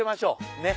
ねっ。